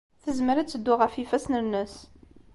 Tezmer ad teddu ɣef yifassen-nnes.